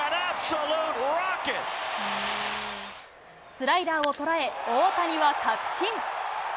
スライダーを捉え、大谷は確信。